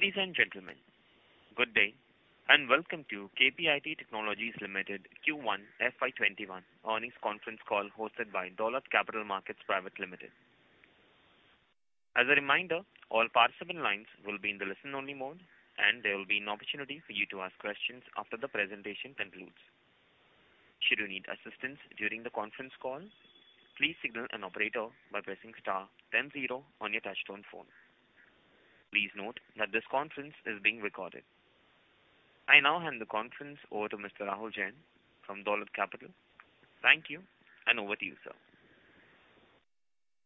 Ladies and gentlemen, good day and welcome to KPIT Technologies Limited Q1 FY 2021 earnings conference call hosted by Dolat Capital Markets Private Limited. As a reminder, all participant lines will be in the listen only mode and there will be an opportunity for you to ask questions after the presentation concludes. Should you need assistance during the conference call, please signal an operator by pressing star then zero on your touchtone phone. Please note that this conference is being recorded. I now hand the conference over to Mr. Rahul Jain from Dolat Capital. Thank you and over to you, sir.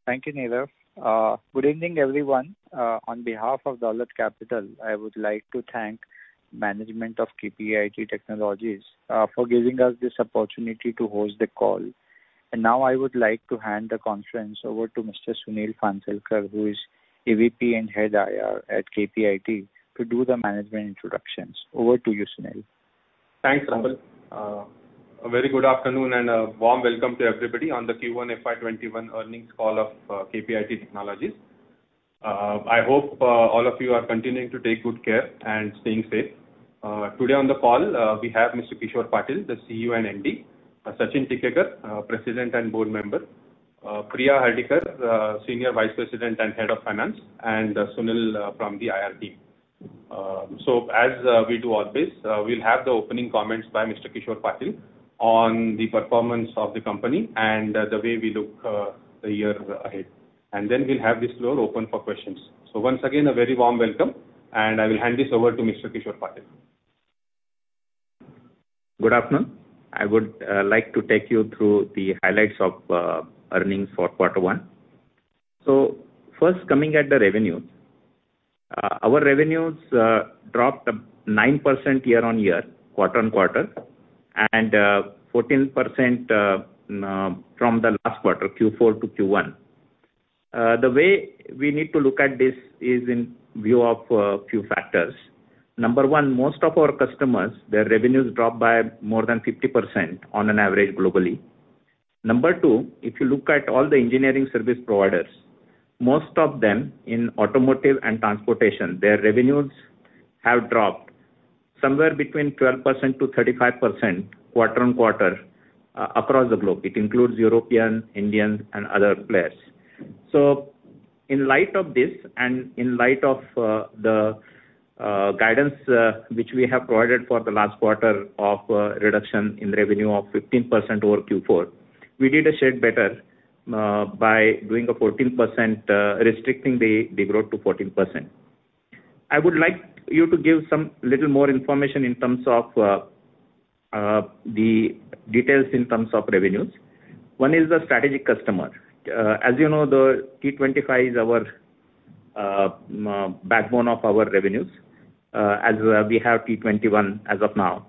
Thank you, Neil. Good evening, everyone. On behalf of Dolat Capital, I would like to thank management of KPIT Technologies for giving us this opportunity to host the call. Now I would like to hand the conference over to Mr. Sunil Phansalkar, who is AVP and Head IR at KPIT to do the management introductions. Over to you, Sunil. Thanks, Rahul. A very good afternoon and a warm welcome to everybody on the Q1 FY21 earnings call of KPIT Technologies. I hope all of you are continuing to take good care and staying safe. Today on the call, we have Mr. Kishor Patil, the CEO and MD, Sachin Tikekar, President and board member, Priya Hardikar, Senior Vice President and Head of Finance and Sunil from the IR team. As we do always, we'll have the opening comments by Mr. Kishor Patil on the performance of the company and the way we look the year ahead. Then we'll have this floor open for questions. Once again, a very warm welcome and I will hand this over to Mr. Kishor Patil. Good afternoon. I would like to take you through the highlights of earnings for quarter one. First coming at the revenue. Our revenues dropped 9% year-over-year, quarter-over-quarter and 14% from the last quarter, Q4 to Q1. The way we need to look at this is in view of a few factors. Number one, most of our customers, their revenues dropped by more than 50% on an average globally. Number two, if you look at all the engineering service providers, most of them in automotive and transportation, their revenues have dropped somewhere between 12%-35% quarter-over-quarter across the globe. It includes European, Indian and other players. In light of this and in light of the guidance which we have provided for the last quarter of reduction in revenue of 15% over Q4, we did a shade better by doing a 14%, restricting the growth to 14%. I would like you to give some little more information in terms of the details in terms of revenues. One is the strategic customer. As you know, the T25 is our backbone of our revenues as we have T21 as of now.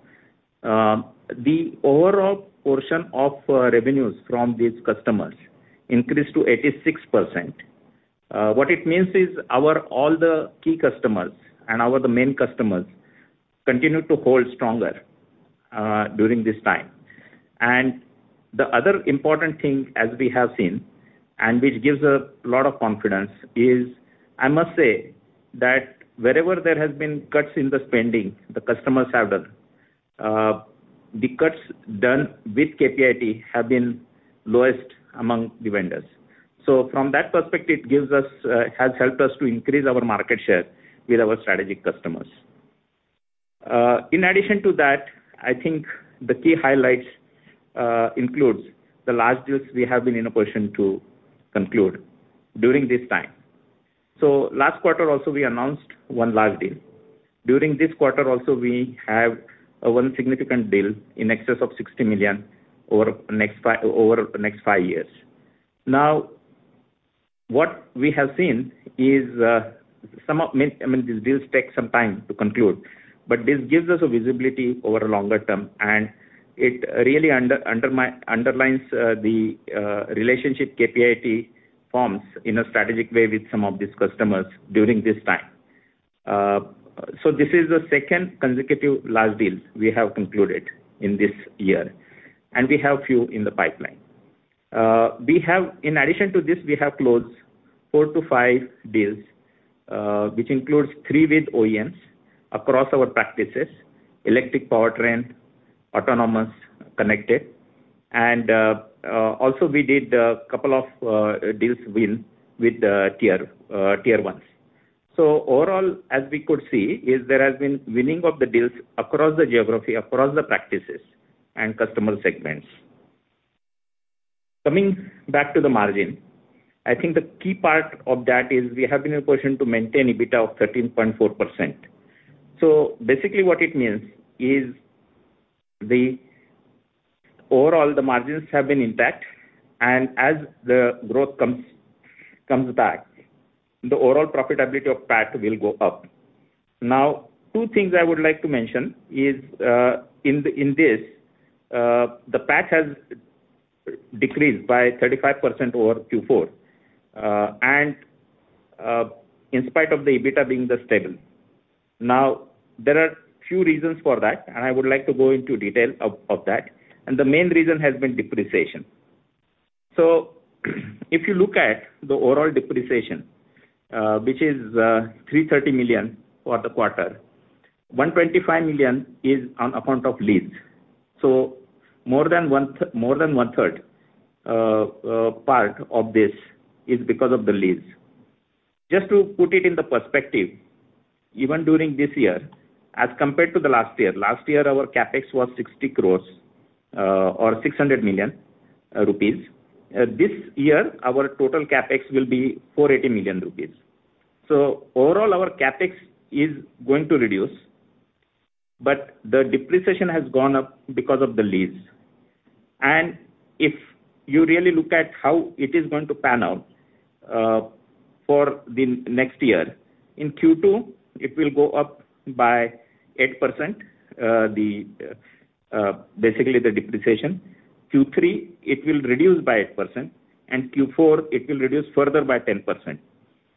The overall portion of revenues from these customers increased to 86%. What it means is our all the key customers and our the main customers continued to hold stronger during this time. The other important thing as we have seen and which gives a lot of confidence is, I must say that wherever there has been cuts in the spending the customers have done, the cuts done with KPIT have been lowest among the vendors. From that perspective has helped us to increase our market share with our strategic customers. In addition to that, I think the key highlights includes the large deals we have been in a position to conclude during this time. Last quarter also we announced one large deal. During this quarter also we have one significant deal in excess of $60 million over the next five years. What we have seen is some of, I mean, these deals take some time to conclude, but this gives us a visibility over a longer term and it really underlines the relationship KPIT forms in a strategic way with some of these customers during this time. This is the second consecutive large deals we have concluded in this year and we have few in the pipeline. In addition to this, we have closed four to five deals which includes three with OEMs across our practices, electric powertrain, autonomous, connected and also we did a couple of deals with tier ones. Overall as we could see is there has been winning of the deals across the geography, across the practices and customer segments. Coming back to the margin. I think the key part of that is we have been in a position to maintain EBITDA of 13.4%. Basically what it means is the overall the margins have been intact and as the growth comes back, the overall profitability of PAT will go up. Two things I would like to mention is in this, the PAT has decreased by 35% over Q4 and in spite of the EBITDA being this stable. There are few reasons for that and I would like to go into detail of that and the main reason has been depreciation. If you look at the overall depreciation, which is 330 million for the quarter, 125 million is on account of lease. More than one-third part of this is because of the lease. Just to put it in the perspective, even during this year as compared to the last year, last year our CapEx was 60 crores or 600 million rupees. This year, our total CapEx will be 480 million rupees. Overall, our CapEx is going to reduce, but the depreciation has gone up because of the lease. If you really look at how it is going to pan out for the next year, in Q2 it will go up by 8%, basically the depreciation. Q3 it will reduce by 8%, and Q4 it will reduce further by 10%.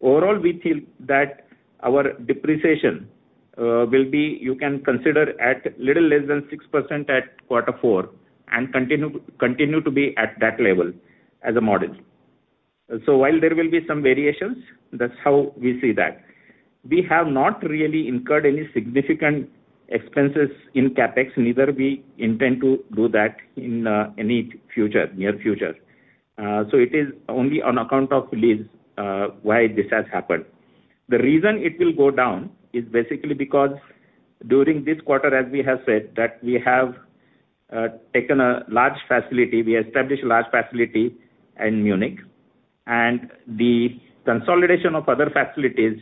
Overall, we feel that our depreciation will be, you can consider at little less than 6% at quarter four and continue to be at that level as a model. While there will be some variations, that's how we see that. We have not really incurred any significant expenses in CapEx, neither we intend to do that in any near future. It is only on account of lease, why this has happened. The reason it will go down is basically because during this quarter, as we have said, that we have taken a large facility, we established a large facility in Munich. The consolidation of other facilities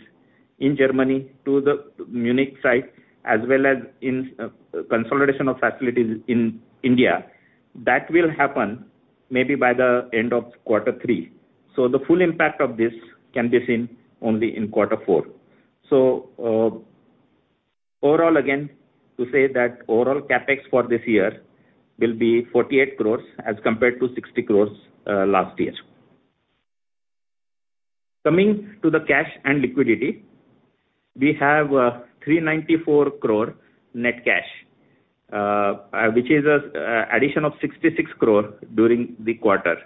in Germany to the Munich site as well as in consolidation of facilities in India, that will happen maybe by the end of quarter three. The full impact of this can be seen only in quarter four. Overall, again, to say that overall CapEx for this year will be 48 crores as compared to 60 crores last year. Coming to the cash and liquidity, we have 394 crore net cash, which is an addition of 66 crore during the quarter.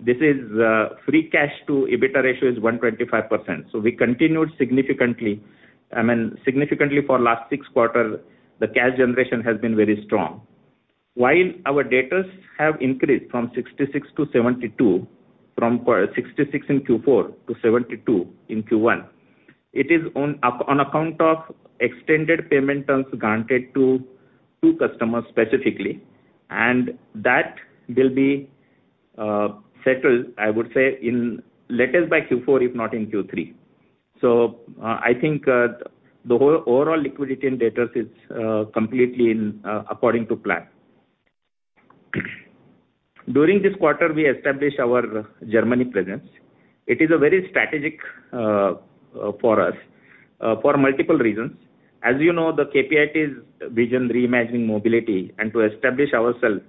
This is free cash to EBITDA ratio is 125%. We continued significantly for last six quarter, the cash generation has been very strong. While our debtors have increased from 66 in Q4 to 72 in Q1, it is on account of extended payment terms granted to two customers specifically, and that will be settled, I would say, in latest by Q4, if not in Q3. I think the overall liquidity and debtors is completely according to plan. During this quarter, we established our Germany presence. It is very strategic for us for multiple reasons. As you know, the KPIT's vision, reimagining mobility and to establish ourself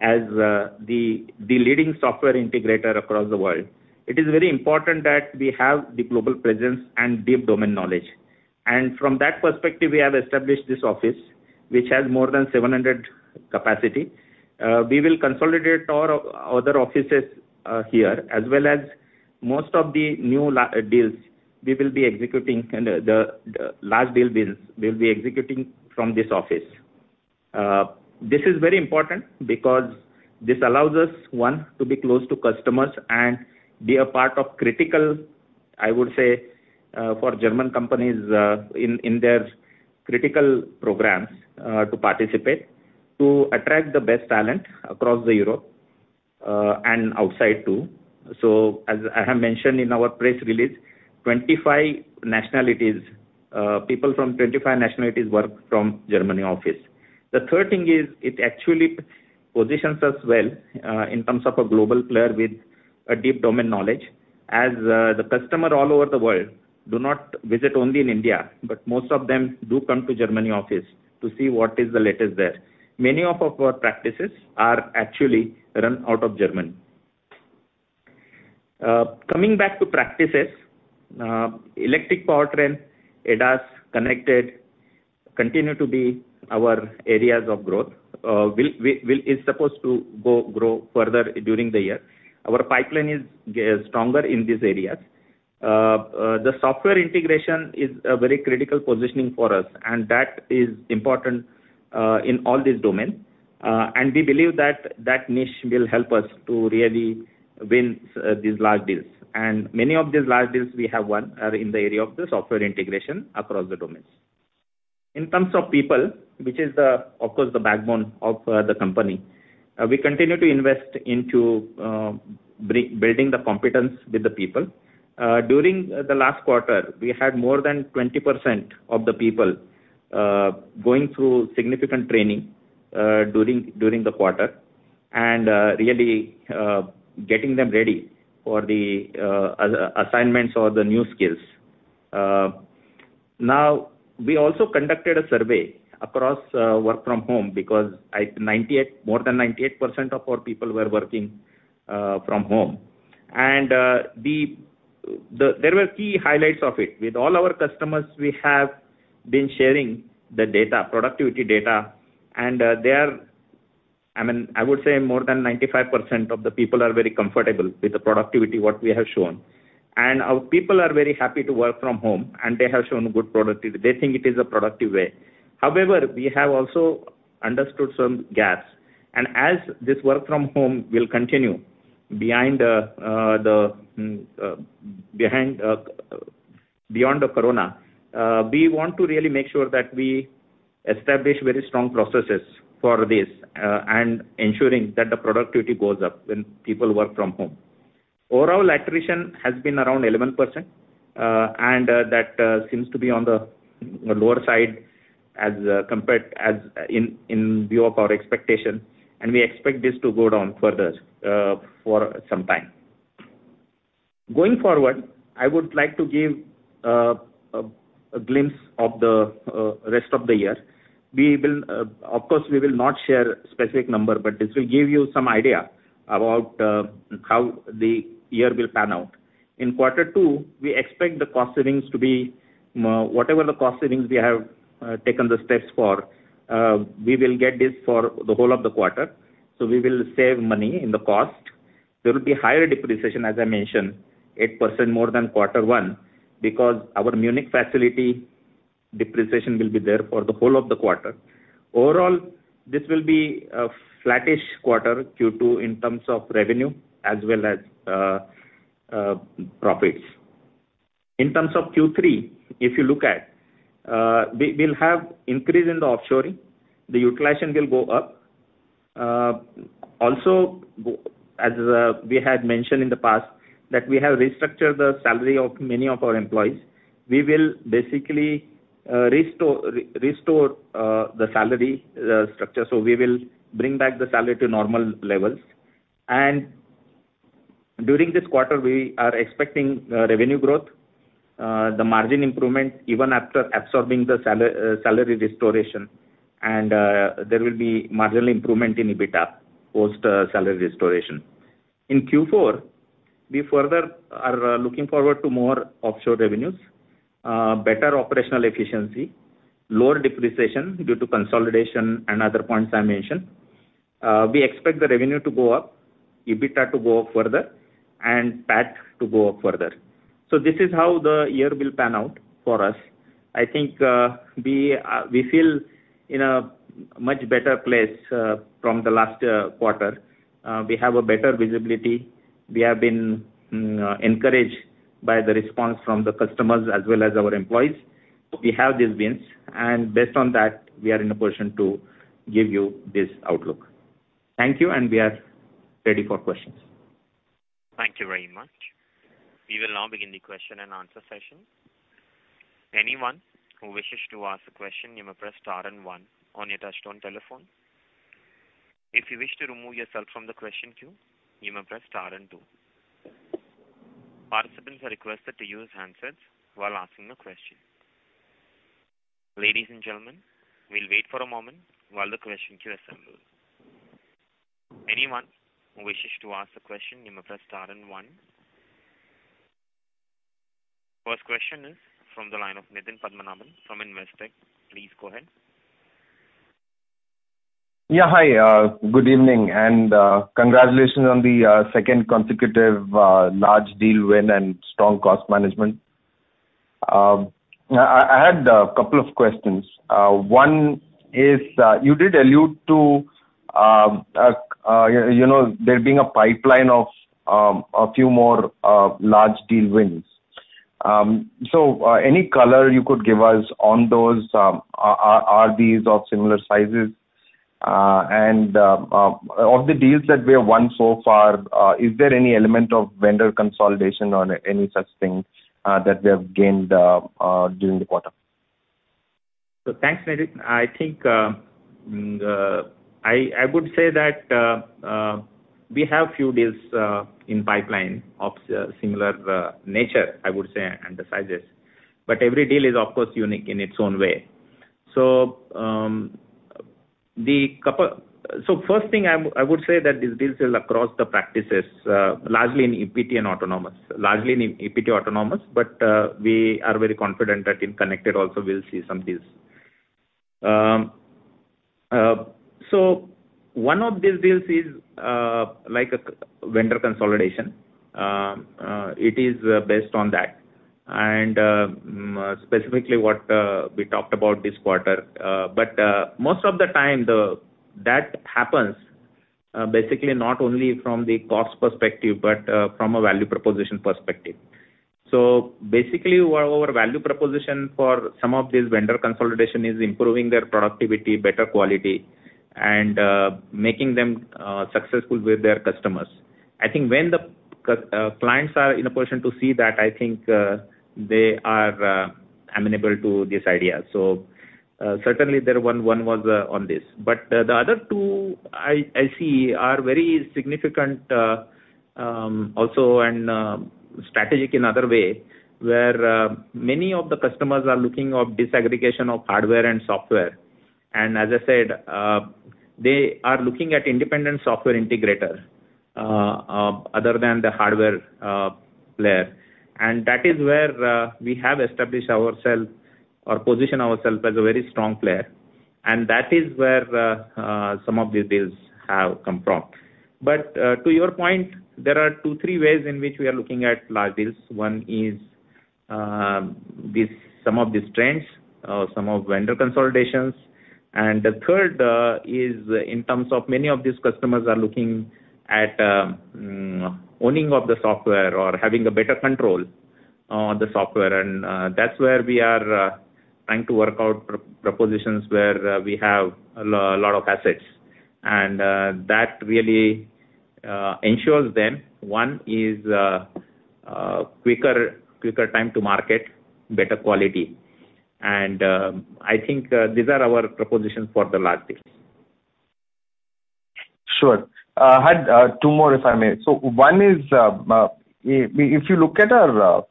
as the leading software integrator across the world. It is very important that we have the global presence and deep domain knowledge. From that perspective, we have established this office, which has more than 700 capacity. We will consolidate our other offices here as well as most of the new deals we will be executing, the large deal builds we'll be executing from this office. This is very important because this allows us, one, to be close to customers and be a part of critical, I would say, for German companies, in their critical programs, to participate to attract the best talent across the Europe, and outside too. As I have mentioned in our press release, people from 25 nationalities work from Germany office. The third thing is it actually positions us well, in terms of a global player with a deep domain knowledge as the customer all over the world do not visit only in India, but most of them do come to Germany office to see what is the latest there. Many of our practices are actually run out of Germany. Coming back to practices, electric powertrain, ADAS, connected continue to be our areas of growth. Is supposed to grow further during the year. Our pipeline is stronger in these areas. The software integration is a very critical positioning for us, and that is important in all these domain. We believe that niche will help us to really win these large deals. Many of these large deals we have won are in the area of the software integration across the domains. In terms of people, which is of course the backbone of the company. We continue to invest into building the competence with the people. During the last quarter, we had more than 20% of the people going through significant training during the quarter and really getting them ready for the assignments or the new skills. Now we also conducted a survey across work from home because more than 98% of our people were working from home. There were key highlights of it. With all our customers, we have been sharing the data, productivity data, and I would say more than 95% of the people are very comfortable with the productivity, what we have shown. Our people are very happy to work from home, and they have shown good productivity. They think it is a productive way. However, we have also understood some gaps. As this work from home will continue beyond the corona, we want to really make sure that we establish very strong processes for this, and ensuring that the productivity goes up when people work from home. Overall attrition has been around 11%, that seems to be on the lower side as in view of our expectation, we expect this to go down further for some time. Going forward, I would like to give a glimpse of the rest of the year. Of course, we will not share specific number, this will give you some idea about how the year will pan out. In quarter two, we expect the cost savings to be whatever the cost savings we have taken the steps for, we will get this for the whole of the quarter. We will save money in the cost. There will be higher depreciation, as I mentioned, 8% more than quarter one, because our Munich facility depreciation will be there for the whole of the quarter. Overall, this will be a flattish quarter, Q2, in terms of revenue as well as profits. In terms of Q3, if you look at, we'll have increase in the offshoring. The utilization will go up. As we had mentioned in the past, that we have restructured the salary of many of our employees. We will basically restore the salary structure. We will bring back the salary to normal levels. During this quarter, we are expecting revenue growth, the margin improvement even after absorbing the salary restoration, and there will be marginal improvement in EBITDA post-salary restoration. In Q4, we further are looking forward to more offshore revenues, better operational efficiency, lower depreciation due to consolidation and other points I mentioned. We expect the revenue to go up, EBITDA to go up further. PAT to go up further. This is how the year will pan out for us. I think we feel in a much better place from the last quarter. We have a better visibility. We have been encouraged by the response from the customers as well as our employees. We have these wins. Based on that, we are in a position to give you this outlook. Thank you. We are ready for questions. Thank you very much. We will now begin the question and answer session. Anyone who wishes to ask a question, you may press star one on your touch-tone telephone. If you wish to remove yourself from the question queue, you may press star two. Participants are requested to use handsets while asking the question. Ladies and gentlemen, we'll wait for a moment while the question queue assembles. Anyone who wishes to ask the question, you may press star one. First question is from the line of Nitin Padmanabhan from Investec. Please go ahead. Yeah. Hi, good evening, and congratulations on the second consecutive large deal win and strong cost management. I had a couple of questions. One is, you did allude to there being a pipeline of a few more large deal wins. Any color you could give us on those. Are these of similar sizes? Of the deals that we have won so far, is there any element of vendor consolidation or any such thing that we have gained during the quarter? Thanks, Nitin. I think I would say that we have few deals in pipeline of similar nature, I would say, and the sizes. Every deal is, of course, unique in its own way. First thing, I would say that these deals sell across the practices, largely in EPT and autonomous. Largely in EPT autonomous, but we are very confident that in connected also, we'll see some deals. One of these deals is like a vendor consolidation. It is based on that, and specifically what we talked about this quarter. Most of the time, that happens basically not only from the cost perspective, but from a value proposition perspective. Basically our value proposition for some of these vendor consolidation is improving their productivity, better quality, and making them successful with their customers. I think when the clients are in a position to see that, I think they are amenable to this idea. Certainly there one was on this. The other two I see are very significant also and strategic in other way, where many of the customers are looking of disaggregation of hardware and software. As I said, they are looking at independent software integrator, other than the hardware player. That is where we have established ourselves or positioned ourselves as a very strong player. That is where some of these deals have come from. To your point, there are two, three ways in which we are looking at large deals. One is some of these trends, some of vendor consolidations, and the third is in terms of many of these customers are looking at owning of the software or having a better control on the software. That's where we are trying to work out propositions where we have a lot of assets. That really ensures them, one is quicker time to market, better quality. I think these are our propositions for the large deals. Sure. I had two more, if I may. One is, if you look at our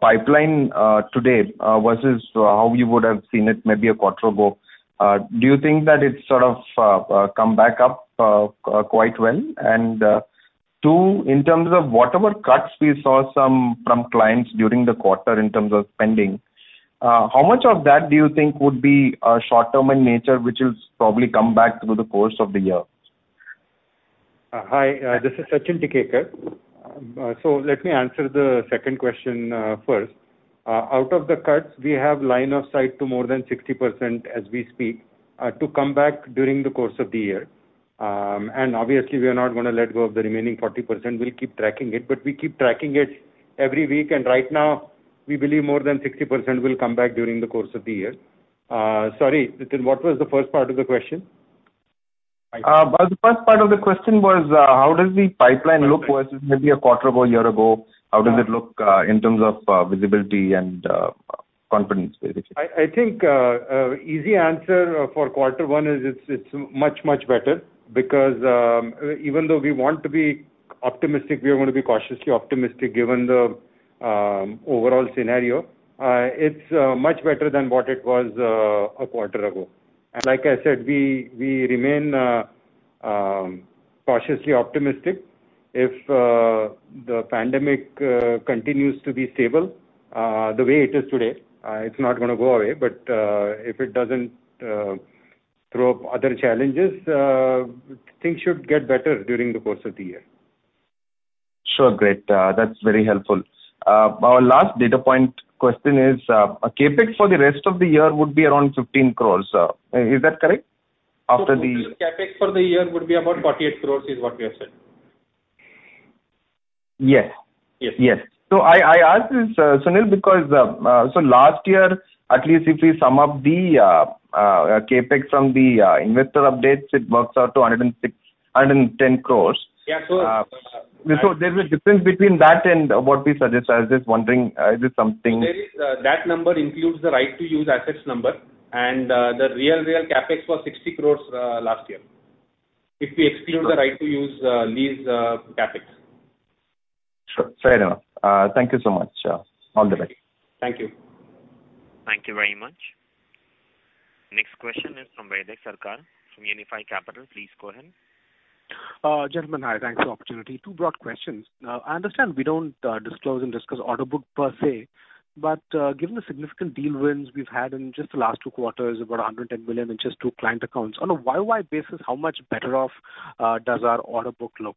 pipeline today versus how you would have seen it maybe a quarter ago, do you think that it's sort of come back up quite well? Two, in terms of whatever cuts we saw from clients during the quarter in terms of spending, how much of that do you think would be short term in nature, which will probably come back through the course of the year? Hi, this is Sachin Tikekar. Let me answer the second question first. Out of the cuts, we have line of sight to more than 60% as we speak, to come back during the course of the year. Obviously we are not going to let go of the remaining 40%. We'll keep tracking it, but we keep tracking it every week. Right now we believe more than 60% will come back during the course of the year. Sorry, Nitin, what was the first part of the question? The first part of the question was, how does the pipeline look versus maybe a quarter or a year ago? How does it look in terms of visibility and confidence, basically? I think, easy answer for quarter one is it's much, much better because, even though we want to be optimistic, we are going to be cautiously optimistic given the overall scenario. It's much better than what it was a quarter ago. Like I said, we remain cautiously optimistic. If the pandemic continues to be stable the way it is today, it's not going to go away. If it doesn't throw up other challenges, things should get better during the course of the year. Sure. Great. That's very helpful. Our last data point question is, CapEx for the rest of the year would be around 15 crores. Is that correct? Total CapEx for the year would be about 48 crores is what we have said. Yes. Yes. Yes. I ask this, Sunil, because last year, at least if we sum up the CapEx from the investor updates, it works out to 110 crores. Yeah. There's a difference between that and what we suggest. I was just wondering, is it something? That number includes the right-to-use assets number and the real CapEx was 60 crores last year. If we exclude the right-to-use lease CapEx. Sure. Fair enough. Thank you so much. All the best. Thank you. Thank you very much. Next question is from Baidik Sarkar from Unifi Capital. Please go ahead. Gentlemen. Hi, thanks for the opportunity. Two broad questions. I understand we don't disclose and discuss order book per se, but given the significant deal wins we've had in just the last two quarters, about $110 million in just two client accounts. On a YY basis, how much better off does our order book look?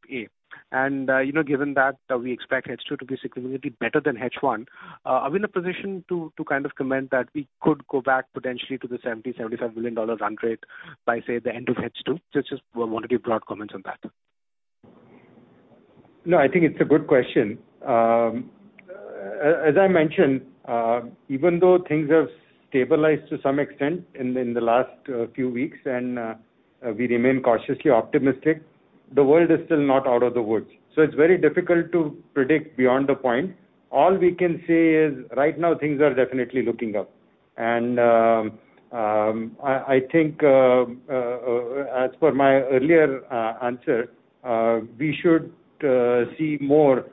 Given that we expect H2 to be significantly better than H1, are we in a position to kind of comment that we could go back potentially to the $70 million, $75 million run rate by, say, the end of H2? Just wanted your broad comments on that. No, I think it's a good question. As I mentioned, even though things have stabilized to some extent in the last few weeks and we remain cautiously optimistic, the world is still not out of the woods. It's very difficult to predict beyond a point. All we can say is right now things are definitely looking up. I think as per my earlier answer, we should see more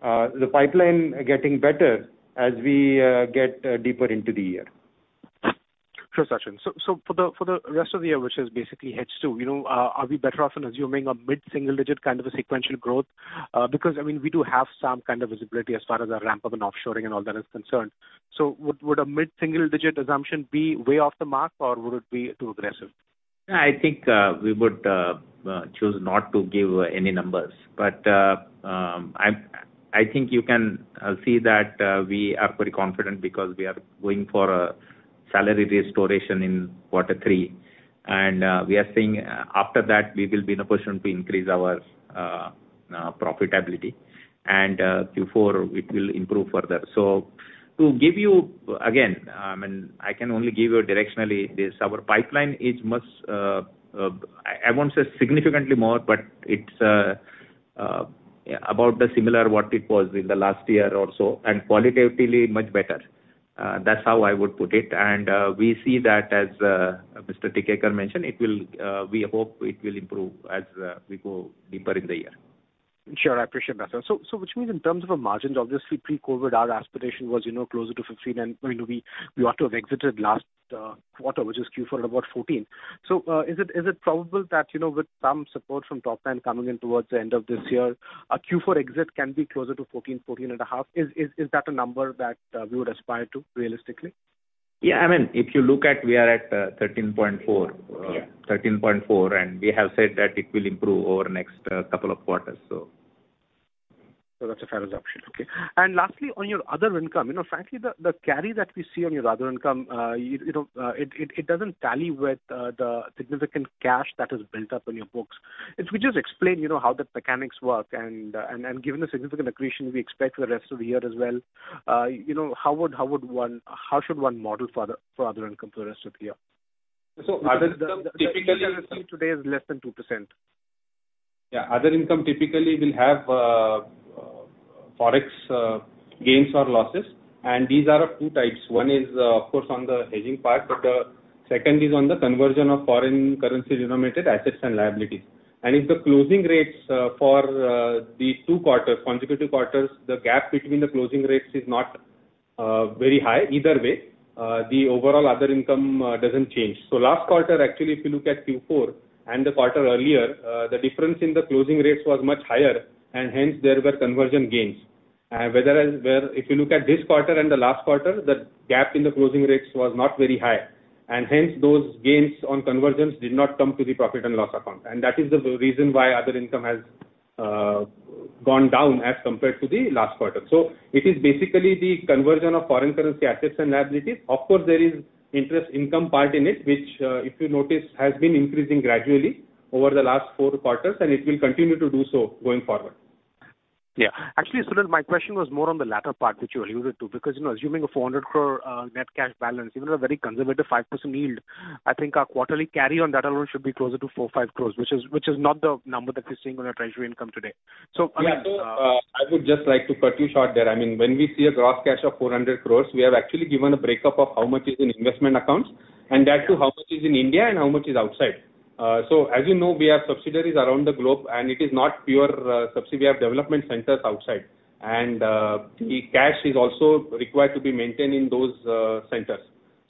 the pipeline getting better as we get deeper into the year. Sure, Sachin. For the rest of the year, which is basically H2, are we better off in assuming a mid-single digit kind of a sequential growth? Because, I mean, we do have some kind of visibility as far as our ramp up in offshoring and all that is concerned. Would a mid-single digit assumption be way off the mark, or would it be too aggressive? I think we would choose not to give any numbers. I think you can see that we are pretty confident because we are going for a salary restoration in quarter three. We are seeing after that we will be in a position to increase our profitability, and Q4 it will improve further. To give you, again, I can only give you directionally this. Our pipeline is much, I won't say significantly more, but it's about the similar what it was in the last year or so, and qualitatively much better. That's how I would put it. We see that, as Mr. Tikekar mentioned, we hope it will improve as we go deeper in the year. Sure. I appreciate that, sir. Which means in terms of our margins, obviously pre-COVID, our aspiration was closer to 15% and we ought to have exited last quarter, which is Q4, at about 14%. Is it probable that with some support from top-line coming in towards the end of this year, our Q4 exit can be closer to 14%-14.5%? Is that a number that we would aspire to, realistically? Yeah, if you look at we are at 13.4% Yeah 13.4%. We have said that it will improve over the next couple of quarters. That's a fair assumption. Okay. Lastly, on your other income. Frankly, the carry that we see on your other income, it doesn't tally with the significant cash that is built up on your books. If you just explain, how the mechanics work and given the significant accretion we expect for the rest of the year as well, how should one model for other income for the rest of the year? Other income. today is less than 2%. Yeah, other income typically will have Forex gains or losses. These are of two types. One is, of course, on the hedging part, but the second is on the conversion of foreign currency-denominated assets and liabilities. If the closing rates for these two consecutive quarters, the gap between the closing rates is not very high either way, the overall other income doesn't change. Last quarter, actually, if you look at Q4 and the quarter earlier, the difference in the closing rates was much higher and hence there were conversion gains. Whereas if you look at this quarter and the last quarter, the gap in the closing rates was not very high, and hence those gains on conversions did not come to the profit and loss account. That is the reason why other income has gone down as compared to the last quarter. It is basically the conversion of foreign currency assets and liabilities. Of course, there is interest income part in it, which, if you notice, has been increasing gradually over the last four quarters, and it will continue to do so going forward. Yeah. Actually, Sunil, my question was more on the latter part, which you alluded to, because assuming a 400 crore net cash balance, even at a very conservative 5% yield, I think our quarterly carry on that alone should be closer to four or five crores, which is not the number that we're seeing on our treasury income today. I would just like to cut you short there. When we see a gross cash of 400 crores, we have actually given a breakup of how much is in investment accounts and that too how much is in India and how much is outside. As you know, we have subsidiaries around the globe, and it is not pure subsidiary of development centers outside. The cash is also required to be maintained in those centers.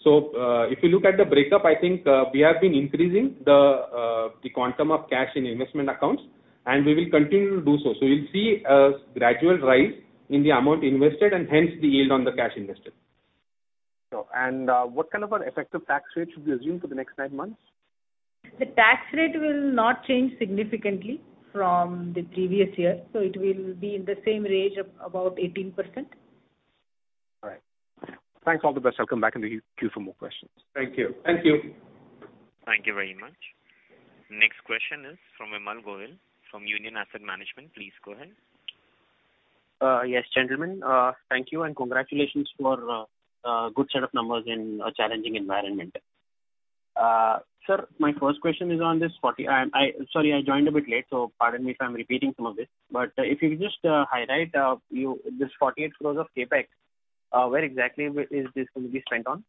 If you look at the breakup, I think we have been increasing the quantum of cash in investment accounts, and we will continue to do so. You'll see a gradual rise in the amount invested and hence the yield on the cash invested. Sure. What kind of an effective tax rate should we assume for the next nine months? The tax rate will not change significantly from the previous year, so it will be in the same range of about 18%. All right. Thanks. All the best. I'll come back in the queue for more questions. Thank you. Thank you. Thank you very much. Next question is from Vimal Gohil of Union Asset Management. Please go ahead. Yes, gentlemen. Thank you and congratulations for a good set of numbers in a challenging environment. Sir, sorry, I joined a bit late, so pardon me if I'm repeating some of this. If you could just highlight this 48 crores of CapEx, where exactly is this going to be spent on?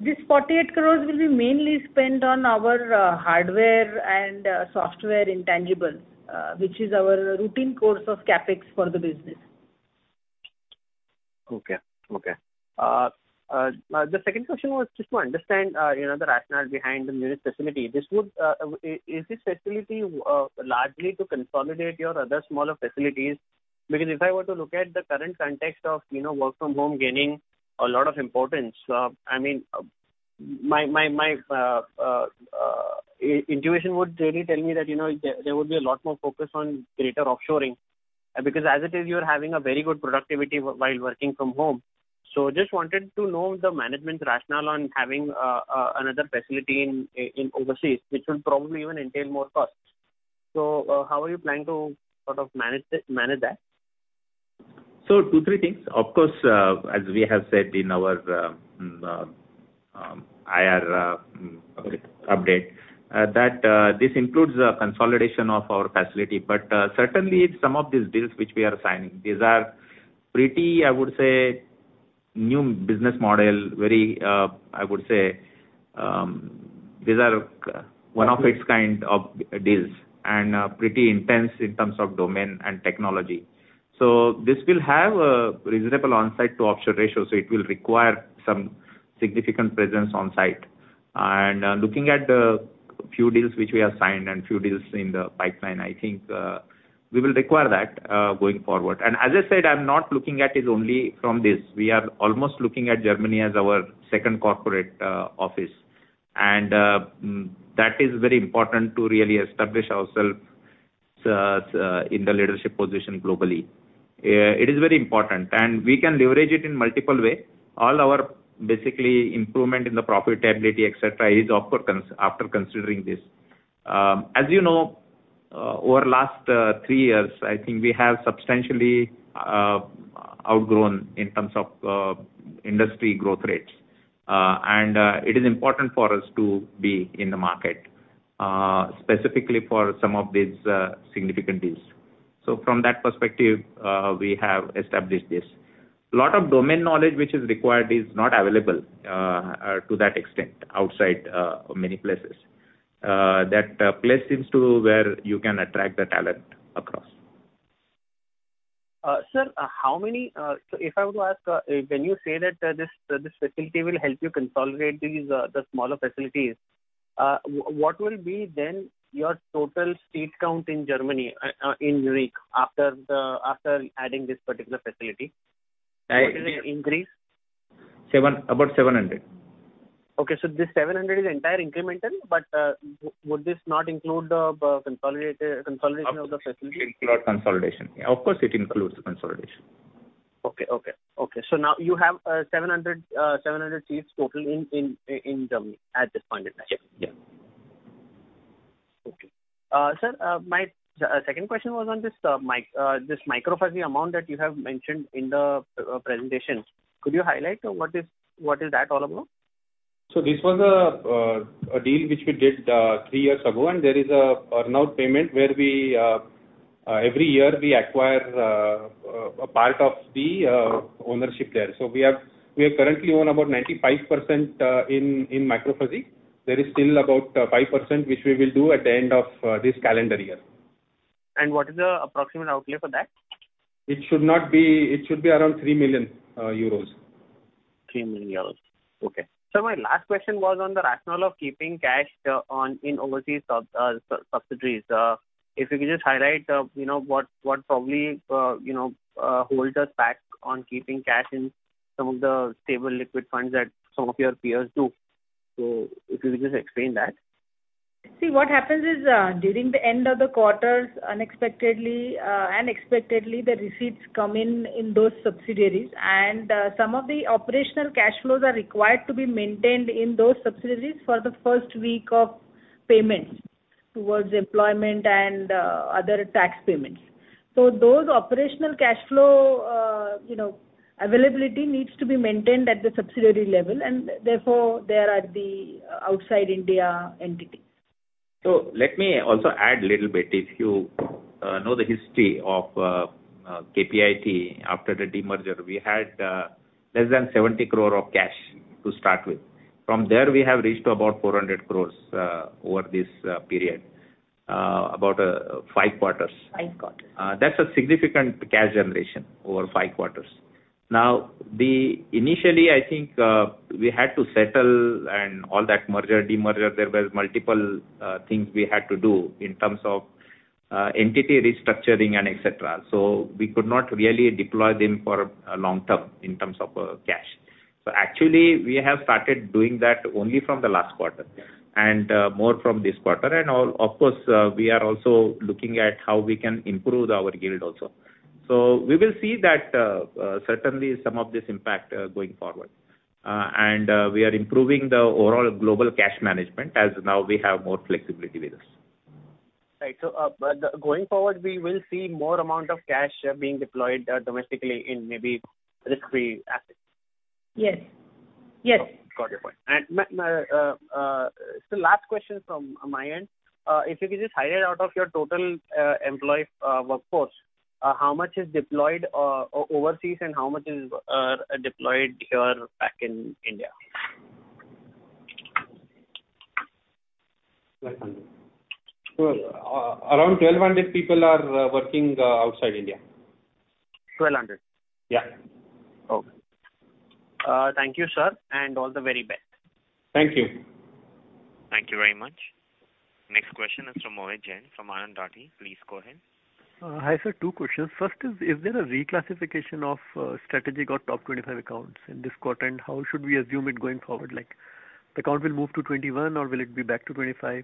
This 48 crores will be mainly spent on our hardware and software intangibles, which is our routine course of CapEx for the business. Okay. The second question was just to understand the rationale behind the Munich facility. Is this facility largely to consolidate your other smaller facilities? If I were to look at the current context of work from home gaining a lot of importance, my intuition would really tell me that there would be a lot more focus on greater offshoring because as it is, you're having a very good productivity while working from home. Just wanted to know the management's rationale on having another facility overseas, which will probably even entail more costs. How are you planning to sort of manage that? Two, three things. Of course, as we have said in our IR update, that this includes a consolidation of our facility. Certainly some of these deals which we are signing, these are pretty, I would say, new business model, I would say these are one-of-its-kind of deals and pretty intense in terms of domain and technology. This will have a reasonable onsite to offshore ratio, so it will require some significant presence on-site. Looking at the few deals which we have signed and few deals in the pipeline, I think we will require that going forward. As I said, I'm not looking at it only from this. We are almost looking at Germany as our second corporate office, and that is very important to really establish ourselves in the leadership position globally. It is very important, and we can leverage it in multiple way. All our basically improvement in the profitability, et cetera, is after considering this. As you know, over last three years, I think we have substantially outgrown in terms of industry growth rates. It is important for us to be in the market specifically for some of these significant deals. From that perspective, we have established this. Lot of domain knowledge which is required is not available to that extent outside many places. That place seems to where you can attract the talent across. Sir, when you say that this facility will help you consolidate the smaller facilities, what will be then your total seat count in Germany, in Munich after adding this particular facility? What is the increase? About 700. Okay. This 700 is entire incremental, but would this not include consolidation of the facility? Of course it includes consolidation. Okay. Now you have 700 seats total in Germany at this point in time. Yes. Okay. Sir, my second question was on this MicroFuzzy amount that you have mentioned in the presentation. Could you highlight what is that all about? This was a deal which we did three years ago. There is an earn-out payment where every year we acquire a part of the ownership there. We have currently owned about 95% in MicroFuzzy. There is still about 5%, which we will do at the end of this calendar year. What is the approximate outlay for that? It should be around 3 million euros. 3 million euros. Okay. Sir, my last question was on the rationale of keeping cash in overseas subsidiaries. If you could just highlight what probably holds us back on keeping cash in some of the stable liquid funds that some of your peers do. If you could just explain that. What happens is, during the end of the quarters, unexpectedly, the receipts come in in those subsidiaries, and some of the operational cash flows are required to be maintained in those subsidiaries for the first week of payments towards employment and other tax payments. Those operational cash flow availability needs to be maintained at the subsidiary level, and therefore, they are at the outside India entity. Let me also add a little bit. If you know the history of KPIT, after the demerger, we had less than 70 crore of cash to start with. From there, we have reached about 400 crores over this period, about five quarters. Five quarters. That's a significant cash generation over five quarters. Initially, I think we had to settle and all that merger, demerger, there were multiple things we had to do in terms of entity restructuring and et cetera. We could not really deploy them for a long term in terms of cash. Actually, we have started doing that only from the last quarter and more from this quarter. Of course, we are also looking at how we can improve our yield also. We will see that certainly some of this impact going forward. We are improving the overall global cash management as now we have more flexibility with us. Going forward, we will see more amount of cash being deployed domestically in maybe risk-free assets. Yes. Got your point. Sir, last question from my end. If you could just highlight out of your total employee workforce, how much is deployed overseas and how much is deployed here back in India? Around 1,200 people are working outside India. 1,200? Yeah. Okay. Thank you, sir. All the very best. Thank you. Thank you very much. Next question is from Mohit Jain from Anand Rathi. Please go ahead. Hi, sir. Two questions. First is there a reclassification of strategic or top 25 accounts in this quarter? How should we assume it going forward? Like, the account will move to T21 or will it be back to T25?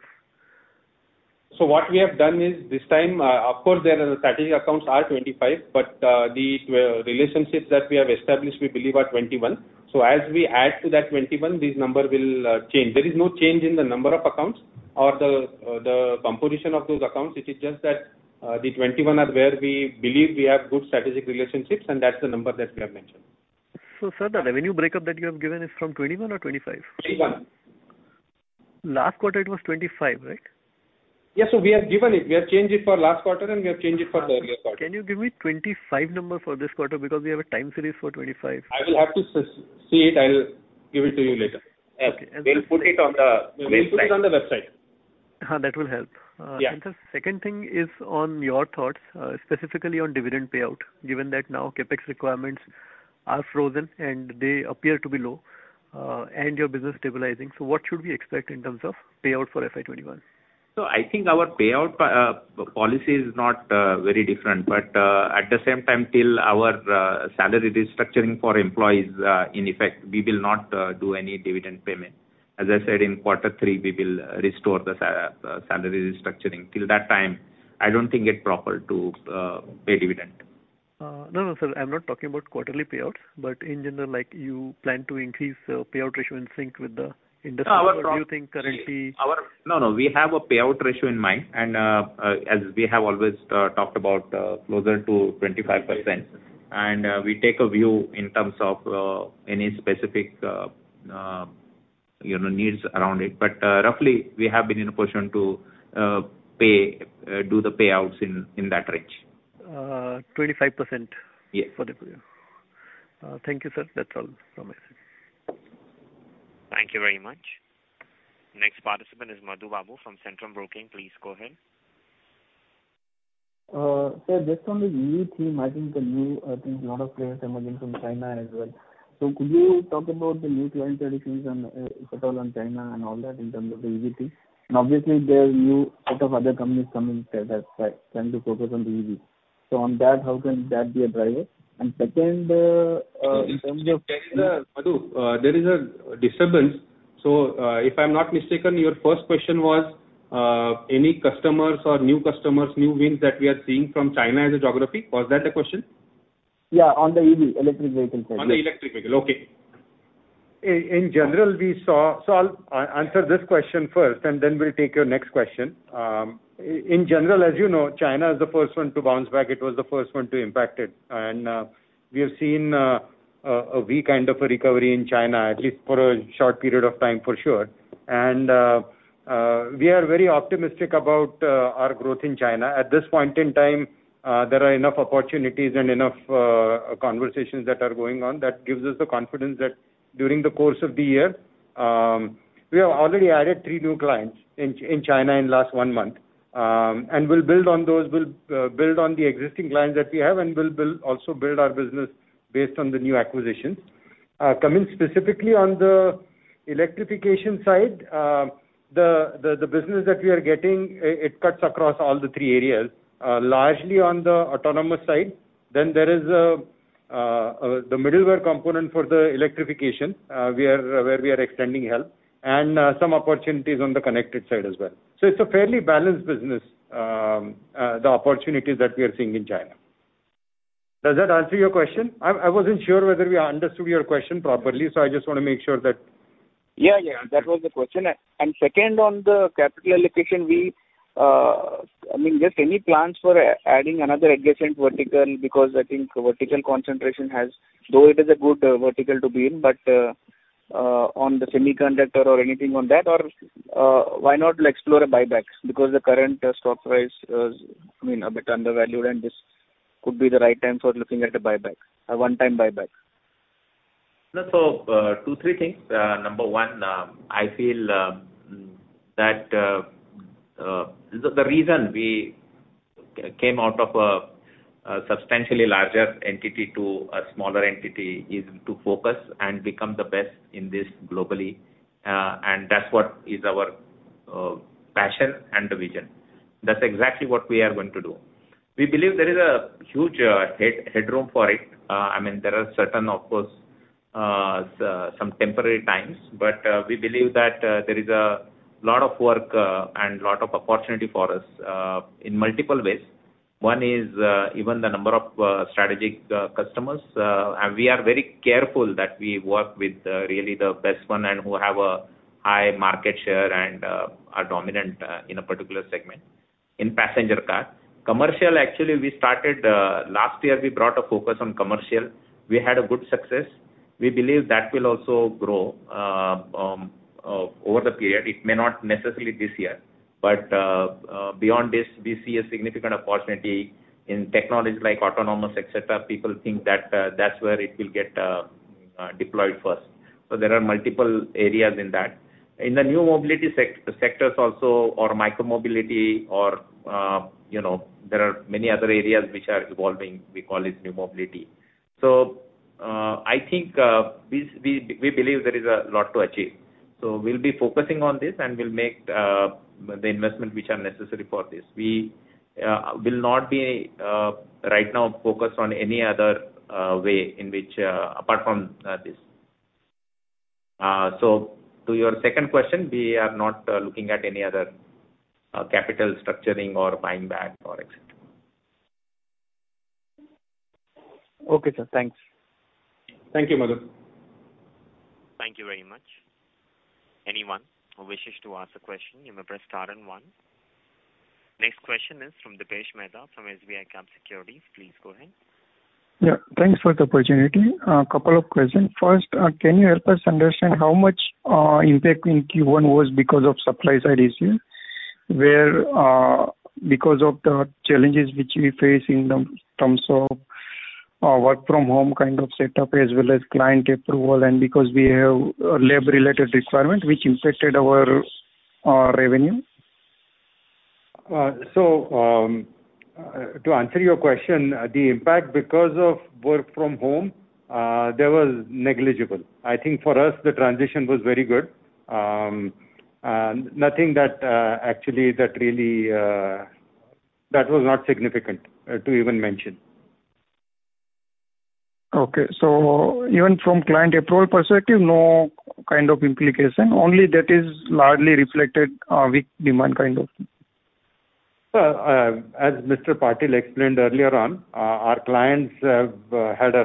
What we have done is this time, of course, the strategic accounts are T25, but the relationships that we have established, we believe are T21. As we add to that T21, this number will change. There is no change in the number of accounts or the composition of those accounts. It is just that the T21 are where we believe we have good strategic relationships, and that's the number that we have mentioned. Sir, the revenue breakup that you have given is from T21 or T25? T21. Last quarter it was T25, right? Yes. We have given it. We have changed it for last quarter and we have changed it for the earlier quarter. Can you give me 25 number for this quarter? We have a time series forT25. I will have to see it. I'll give it to you later. Okay. We'll put it on the website. That will help. Yeah. Sir, second thing is on your thoughts, specifically on dividend payout, given that now CapEx requirements are frozen and they appear to be low, and your business stabilizing. What should we expect in terms of payout for FY21? I think our payout policy is not very different, at the same time, till our salary restructuring for employees in effect, we will not do any dividend payment. As I said, in quarter three, we will restore the salary restructuring. Till that time, I don't think it proper to pay dividend. No, sir. I'm not talking about quarterly payouts, but in general, like you plan to increase payout ratio in sync with the industry- No, no. We have a payout ratio in mind, and as we have always talked about, closer to 25%. We take a view in terms of any specificneeds around it. Roughly, we have been in a position to do the payouts in that range. 25%? Yes. Thank you, sir. That's all from my side. Thank you very much. Next participant is Madhu Babu from Centrum Broking. Please go ahead. Sir, just on the EV theme, I think a lot of players emerging from China as well. Could you talk about the new clients that you've settled on China and all that in terms of the EV theme? Obviously, there are a lot of other companies coming trying to focus on the EV. On that, how can that be a driver? Second, in terms of- Madhu, there is a disturbance. If I'm not mistaken, your first question was, any customers or new customers, new wins that we are seeing from China as a geography. Was that the question? Yeah, on the EV, electric vehicle side. On the electric vehicle. Okay. I'll answer this question first and then we'll take your next question. In general, as you know, China is the first one to bounce back. It was the first one to be impacted. We have seen a weak kind of a recovery in China, at least for a short period of time, for sure. We are very optimistic about our growth in China. At this point in time, there are enough opportunities and enough conversations that are going on that gives us the confidence that during the course of the year. We have already added three new clients in China in the last one month. We'll build on the existing clients that we have and we'll also build our business based on the new acquisitions. Coming specifically on the electrification side, the business that we are getting, it cuts across all the three areas, largely on the autonomous side. There is the middleware component for the electrification, where we are extending help, and some opportunities on the connected side as well. It's a fairly balanced business, the opportunities that we are seeing in China. Does that answer your question? I wasn't sure whether we understood your question properly. Yeah. That was the question. Second, on the capital allocation, just any plans for adding another adjacent vertical, because I think vertical concentration has, though it is a good vertical to be in, but on the semiconductor or anything on that, or why not explore a buyback? Because the current stock price is a bit undervalued, and this could be the right time for looking at a buyback, a one-time buyback. Two, three things. Number one, I feel that the reason we came out of a substantially larger entity to a smaller entity is to focus and become the best in this globally. That's what is our passion and vision. That's exactly what we are going to do. We believe there is a huge headroom for it. There are certain, of course, some temporary times, we believe that there is a lot of work and lot of opportunity for us in multiple ways. One is even the number of strategic customers. We are very careful that we work with really the best one and who have a high market share and are dominant in a particular segment in passenger cars. Commercial, actually, we started last year, we brought a focus on commercial. We had a good success. We believe that will also grow over the period. It may not necessarily be this year, but beyond this, we see a significant opportunity in technologies like autonomous, et cetera. People think that that's where it will get deployed first. There are multiple areas in that. In the new mobility sectors also, or micro-mobility, or there are many other areas which are evolving. We call it new mobility. I think we believe there is a lot to achieve. We'll be focusing on this and we'll make the investment which are necessary for this. We will not be, right now, focused on any other way apart from this. To your second question, we are not looking at any other capital structuring or buying back or et cetera. Okay, sir. Thanks. Thank you, Madhu. Thank you very much. Anyone who wishes to ask a question, you may press star and one. Next question is from Dipesh Mehta, from SBICAP Securities. Please go ahead. Yeah, thanks for the opportunity. A couple of questions. First, can you help us understand how much impact in Q1 was because of supply-side issues? Where because of the challenges which we face in terms of work-from-home kind of setup as well as client approval, and because we have a lab-related requirement which impacted our revenue? To answer your question, the impact because of work from home, that was negligible. I think for us, the transition was very good. Nothing that was not significant to even mention. Okay. Even from client approval perspective, no kind of implication, only that is largely reflected weak demand kind of thing. As Mr. Patil explained earlier on, our clients have had a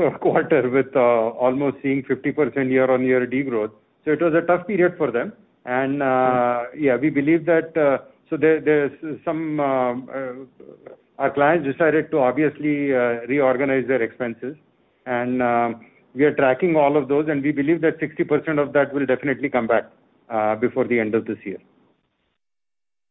rough quarter with almost seeing 50% year-on-year degrowth. It was a tough period for them. Yeah, our clients decided to obviously reorganize their expenses, and we are tracking all of those, and we believe that 60% of that will definitely come back before the end of this year.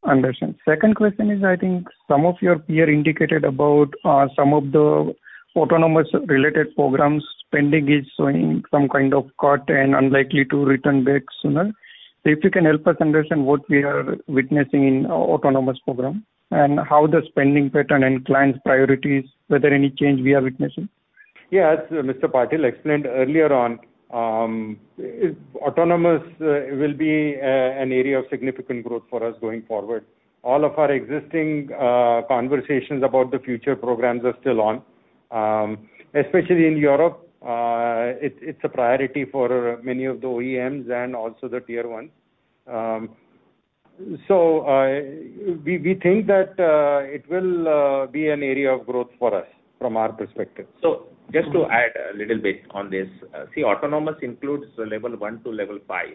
Understand. Second question is, I think some of your peer indicated about some of the autonomous-related programs spending is showing some kind of cut and unlikely to return back sooner. If you can help us understand what we are witnessing in autonomous program, and how the spending pattern and clients' priorities, whether any change we are witnessing? Yes, Mr. Patil explained earlier on, autonomous will be an area of significant growth for us going forward. All of our existing conversations about the future programs are still on. Especially in Europe, it's a priority for many of the OEMs and also the tier 1s. We think that it will be an area of growth for us from our perspective. Just to add a little bit on this. Autonomous includes level 1 to level 5.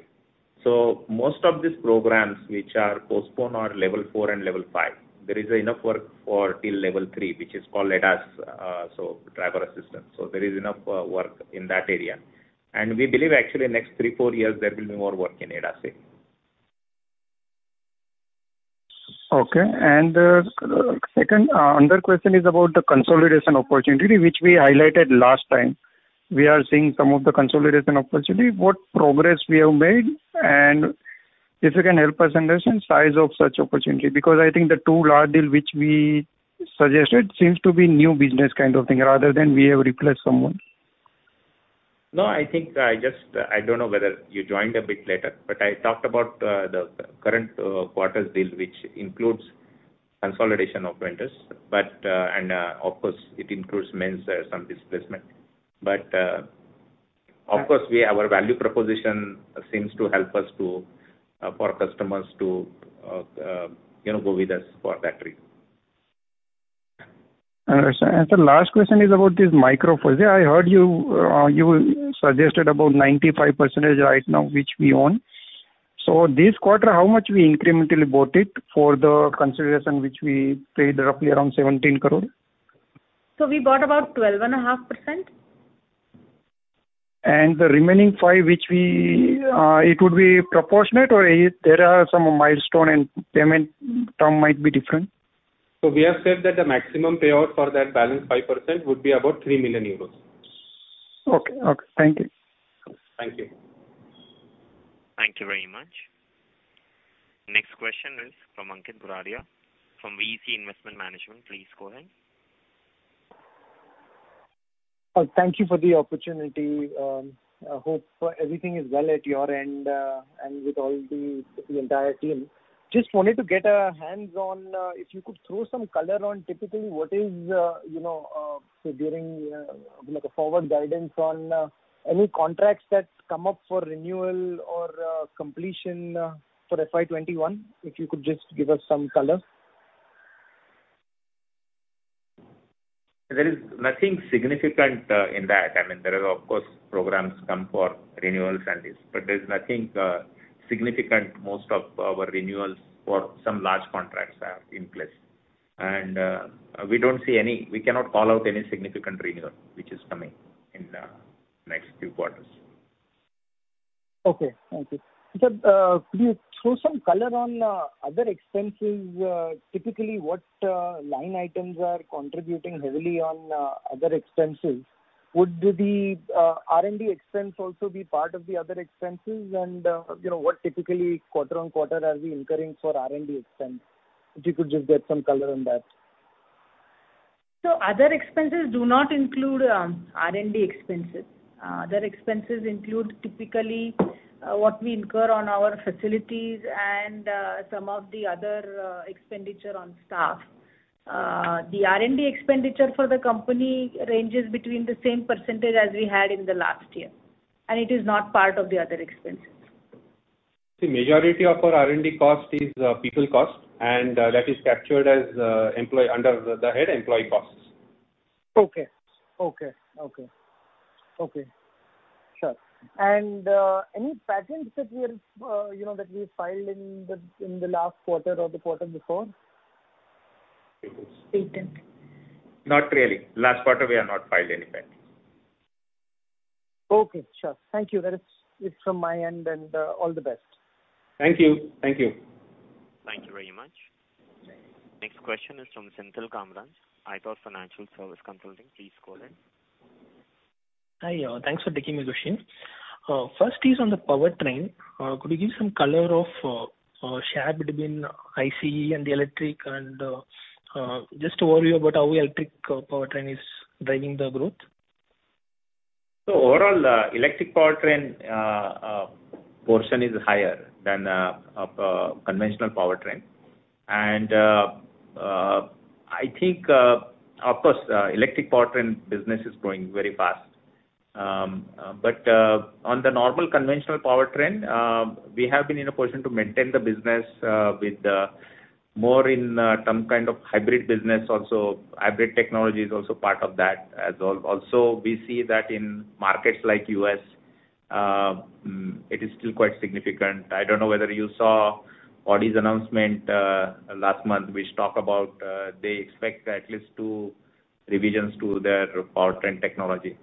Most of these programs which are postponed are level 4 and level 5. There is enough work for till level 3, which is called ADAS, driver assistance. There is enough work in that area. We believe actually next three, four years, there will be more work in ADAS scene. Okay. Second, another question is about the consolidation opportunity, which we highlighted last time. We are seeing some of the consolidation opportunity. What progress we have made, and if you can help us understand size of such opportunity, because I think the two large deal which we suggested seems to be new business kind of thing, rather than we have replaced someone. No, I think I don't know whether you joined a bit later, but I talked about the current quarter's deal, which includes consolidation of vendors. Of course, it includes means some displacement. Of course, our value proposition seems to help us for customers to go with us for that reason. Understood. The last question is about this MicroFuzzy. I heard you suggested about 95% right now, which we own. This quarter, how much we incrementally bought it for the consideration which we paid roughly around 17 crore? We bought about 12.5%. The remaining 5%, it would be proportionate, or there are some milestone and payment term might be different? We have said that the maximum payout for that balance 5% would be about 3 million euros. Okay. Thank you. Thank you. Thank you very much. Next question is from [Ankit Puraria] from VEC Investment Management. Please go ahead. Thank you for the opportunity. I hope everything is well at your end and with all the entire team. Just wanted to get a hands on, if you could throw some color on typically what is a forward guidance on any contracts that come up for renewal or completion for FY 2021, if you could just give us some color. There is nothing significant in that. There are, of course, programs come for renewals and this, but there's nothing significant. Most of our renewals for some large contracts are in place. We cannot call out any significant renewal, which is coming in the next few quarters. Okay. Thank you. Sir, could you throw some color on other expenses? Typically, what line items are contributing heavily on other expenses? Would the R&D expense also be part of the other expenses? What typically quarter on quarter are we incurring for R&D expense? If you could just give some color on that. Other expenses do not include R&D expenses. Other expenses include typically what we incur on our facilities and some of the other expenditure on staff. The R&D expenditure for the company ranges between the same percentage as we had in the last year, and it is not part of the other expenses. The majority of our R&D cost is people cost, and that is captured under the head Employee Costs. Okay. Sure. Any patents that we filed in the last quarter or the quarter before? Patent. Not really. Last quarter, we have not filed any patent. Okay, sure. Thank you. That is from my end, and all the best. Thank you. Thank you Thank you very much. Next question is from Senthil Kamaraj, ithought Financial Service Consulting. Please go ahead. Hi. Thanks for taking my question. First is on the powertrain. Could you give some color of share between ICE and the electric, and just overview about how electric powertrain is driving the growth? Overall, electric powertrain portion is higher than conventional powertrain. I think, of course, electric powertrain business is growing very fast. On the normal conventional powertrain, we have been in a position to maintain the business with more in some kind of hybrid business also. Hybrid technology is also part of that as well. We see that in markets like U.S., it is still quite significant. I don't know whether you saw Audi's announcement last month, which talk about they expect at least two revisions to their powertrain technology.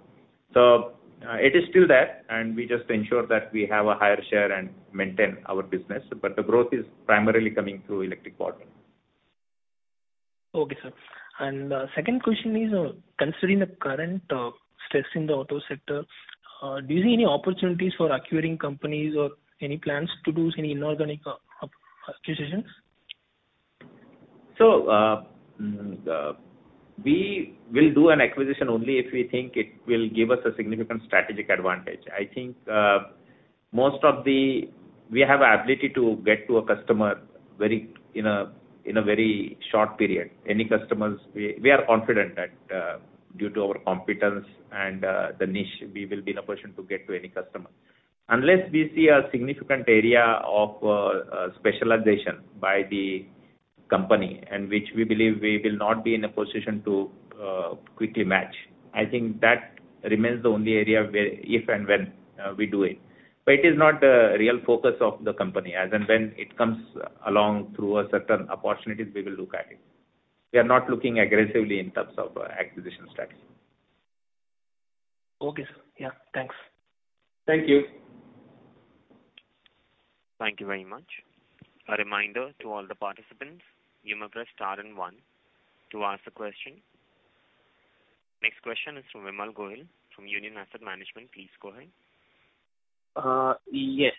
It is still there, and we just ensure that we have a higher share and maintain our business, but the growth is primarily coming through electric powertrain. Okay, sir. Second question is, considering the current stress in the auto sector, do you see any opportunities for acquiring companies or any plans to do any inorganic acquisitions? We will do an acquisition only if we think it will give us a significant strategic advantage. I think we have the ability to get to a customer in a very short period. Any customers, we are confident that due to our competence and the niche, we will be in a position to get to any customer. Unless we see a significant area of specialization by the company, and which we believe we will not be in a position to quickly match. I think that remains the only area where, if and when we do it. It is not a real focus of the company. As and when it comes along through certain opportunities, we will look at it. We are not looking aggressively in terms of acquisition strategy. Okay, sir. Yeah, thanks. Thank you. Thank you very much. A reminder to all the participants, you may press star and one to ask the question. Next question is from Vimal Gohil from Union Asset Management. Please go ahead. Yes.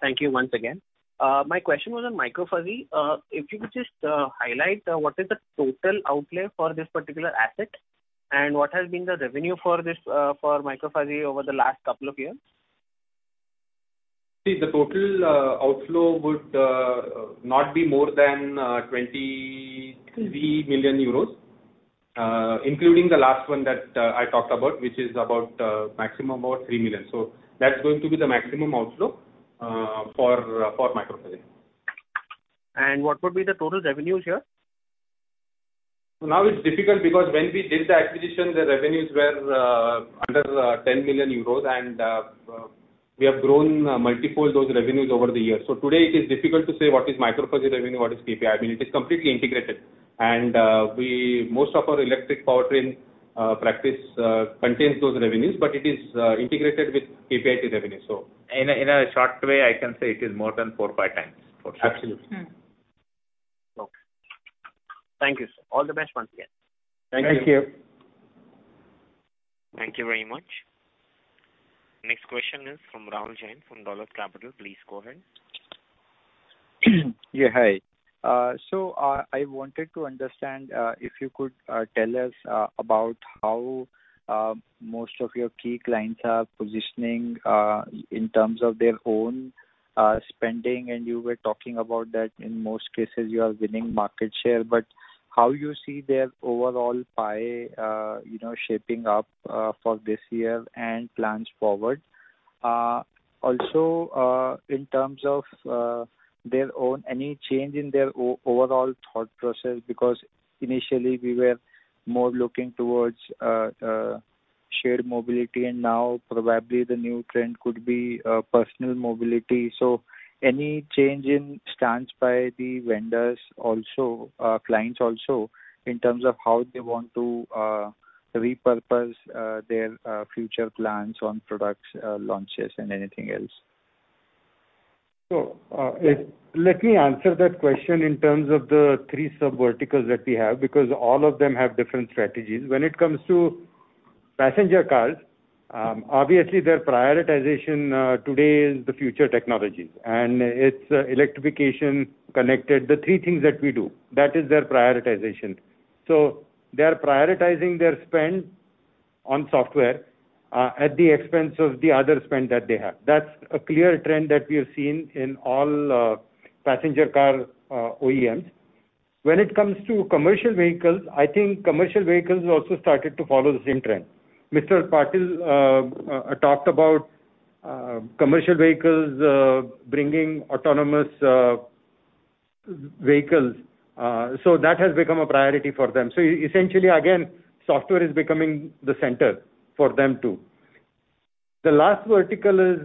Thank you once again. My question was on MicroFuzzy. If you could just highlight what is the total outlay for this particular asset, and what has been the revenue for MicroFuzzy over the last couple of years? The total outflow would not be more than 23 million euros, including the last one that I talked about, which is about maximum about 3 million. That's going to be the maximum outflow for MicroFuzzy. What would be the total revenues here? It's difficult because when we did the acquisition, the revenues were under 10 million euros, and we have grown multifold those revenues over the years. Today it is difficult to say what is MicroFuzzy revenue, what is KPIT. I mean, it is completely integrated. Most of our electric powertrain practice contains those revenues, but it is integrated with KPIT revenues. In a short way, I can say it is more than four or five times for sure. Absolutely. Okay. Thank you, sir. All the best once again. Thank you. Thank you very much. Next question is from Rahul Jain of Dolat Capital. Please go ahead. Yeah, hi. I wanted to understand if you could tell us about how most of your key clients are positioning in terms of their own spending. You were talking about that in most cases you are winning market share. How do you see their overall pie shaping up for this year and plans forward? Also, in terms of their own, any change in their overall thought process? Initially we were more looking towards shared mobility, and now probably the new trend could be personal mobility. Any change in stance by the vendors also, clients also, in terms of how they want to repurpose their future plans on products launches and anything else? Let me answer that question in terms of the three sub verticals that we have, because all of them have different strategies. When it comes to passenger cars, obviously their prioritization today is the future technologies. It's electrification connected, the three things that we do. That is their prioritization. They're prioritizing their spend on software, at the expense of the other spend that they have. That's a clear trend that we have seen in all passenger car OEMs. When it comes to commercial vehicles, I think commercial vehicles have also started to follow the same trend. Mr. Patil talked about commercial vehicles bringing autonomous vehicles. That has become a priority for them. Essentially, again, software is becoming the center for them, too. The last vertical is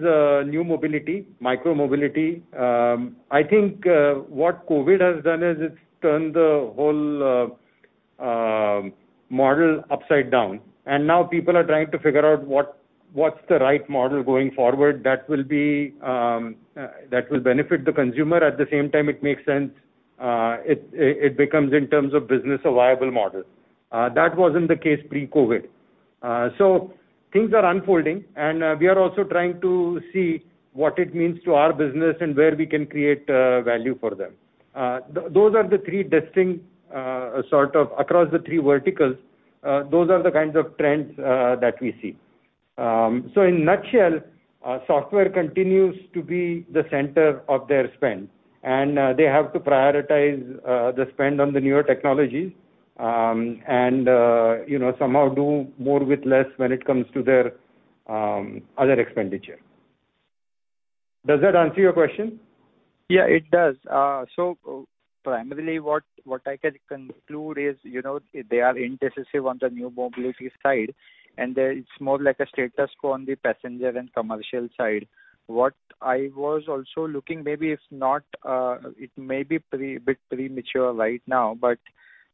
new mobility, micro mobility. I think what COVID has done is it's turned the whole model upside down, and now people are trying to figure out what's the right model going forward that will benefit the consumer. At the same time, it makes sense, it becomes in terms of business, a viable model. That wasn't the case pre-COVID. Things are unfolding, and we are also trying to see what it means to our business and where we can create value for them. Those are the three distinct, sort of across the three verticals, those are the kinds of trends that we see. In a nutshell, software continues to be the center of their spend. They have to prioritize the spend on the newer technologies, and somehow do more with less when it comes to their other expenditure. Does that answer your question? Yeah, it does. Primarily what I can conclude is, they are indecisive on the new mobility side, and it's more like a status quo on the passenger and commercial side. What I was also looking, maybe it's a bit premature right now, but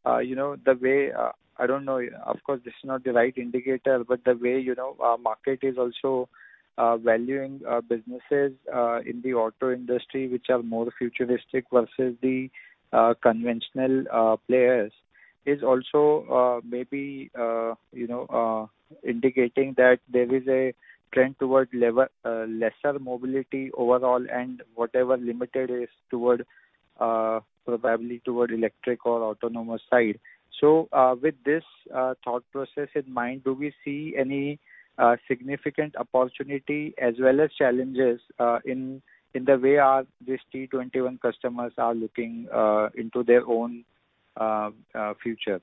the way, I don't know, of course, this is not the right indicator, but the way our market is also valuing our businesses in the auto industry, which are more futuristic versus the conventional players, is also maybe indicating that there is a trend toward lesser mobility overall and whatever limited is probably toward electric or autonomous side. With this thought process in mind, do we see any significant opportunity as well as challenges in the way our, this T21 customers are looking into their own future?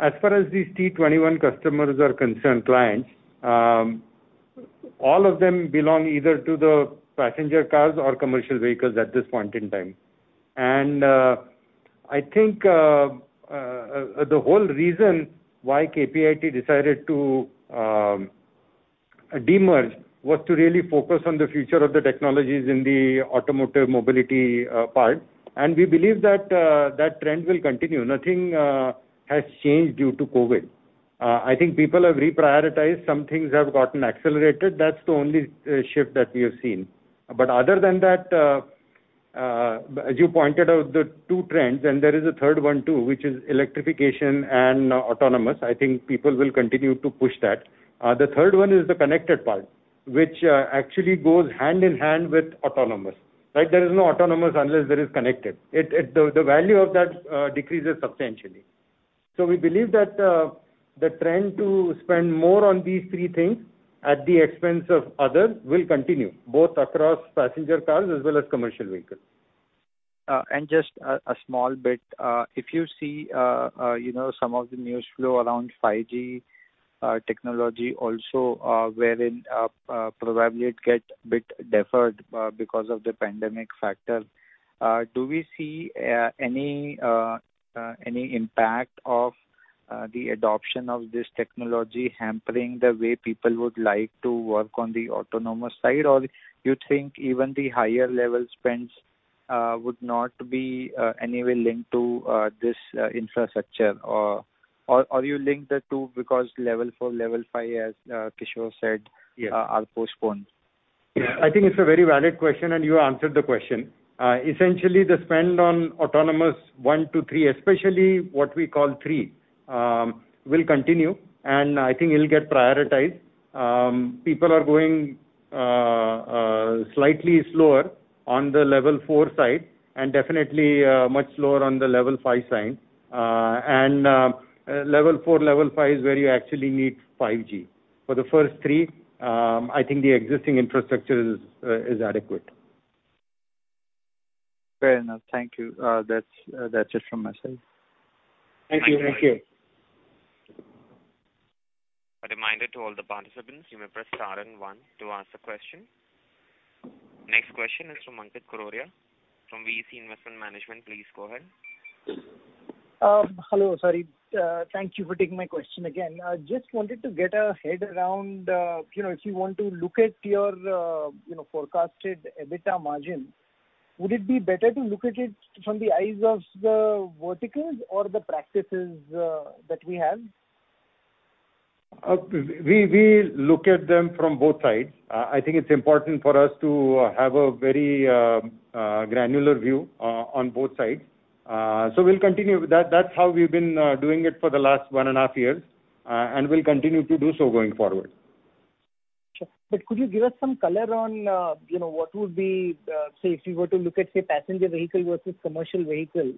As far as these T21 customers are concerned, clients, all of them belong either to the passenger cars or commercial vehicles at this point in time. I think the whole reason why KPIT decided to de-merge was to really focus on the future of the technologies in the automotive mobility part. We believe that trend will continue. Nothing has changed due to COVID. I think people have reprioritized. Some things have gotten accelerated. That's the only shift that we have seen. Other than that, as you pointed out, the two trends, and there is a third one too, which is electrification and autonomous. I think people will continue to push that. The third one is the connected part, which actually goes hand in hand with autonomous, right? There is no autonomous unless there is connected. The value of that decreases substantially. We believe that the trend to spend more on these three things at the expense of others will continue, both across passenger cars as well as commercial vehicles. Just a small bit. If you see some of the news flow around 5G technology also, wherein probably it get bit deferred because of the pandemic factor, do we see any impact of the adoption of this technology hampering the way people would like to work on the autonomous side? Or you think even the higher level spends would not be any way linked to this infrastructure? Or you link the two because level 4, level 5, as Kishor said. Yeah are postponed? Yeah. I think it's a very valid question, and you answered the question. Essentially, the spend on autonomous 1 to 3, especially what we call 3, will continue, and I think it'll get prioritized. People are going slightly slower on the level 4 side and definitely much slower on the level 5 side. Level 4, level 5 is where you actually need 5G. For the first 3, I think the existing infrastructure is adequate. Fair enough. Thank you. That's it from my side. Thank you. A reminder to all the participants, you may press star and one to ask the question. Next question is from [Ankit Kororia] from VEC Investment Management. Please go ahead. Hello. Sorry. Thank you for taking my question again. Just wanted to get a head around, if you want to look at your forecasted EBITDA margin, would it be better to look at it from the eyes of the verticals or the practices that we have? We look at them from both sides. I think it's important for us to have a very granular view on both sides. We'll continue with that. That's how we've been doing it for the last one and a half years. We'll continue to do so going forward. Sure. Could you give us some color on what would be, say, if you were to look at, say, passenger vehicle versus commercial vehicle,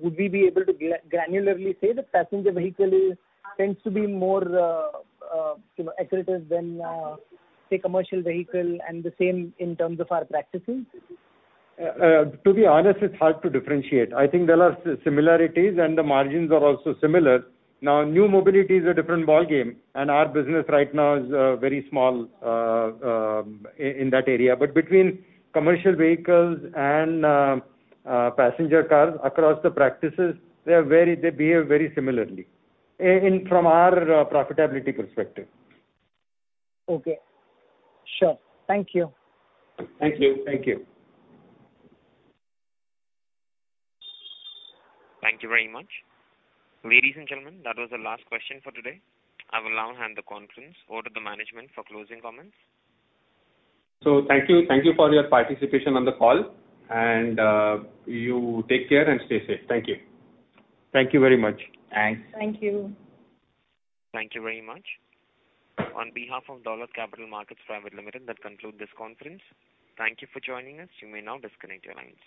would we be able to granularly say that passenger vehicle tends to be more accretive than, say, commercial vehicle and the same in terms of our practices? To be honest, it's hard to differentiate. I think there are similarities, and the margins are also similar. Now, new mobility is a different ballgame, and our business right now is very small in that area. Between commercial vehicles and passenger cars across the practices, they behave very similarly from our profitability perspective. Okay. Sure. Thank you. Thank you. Thank you Thank you very much. Ladies and gentlemen, that was the last question for today. I will now hand the conference over to the management for closing comments. Thank you for your participation on the call, and you take care and stay safe. Thank you. Thank you very much. Thanks. Thank you. Thank you very much. On behalf of Dolat Capital Market Private Limited, that concludes this conference. Thank you for joining us. You may now disconnect your lines.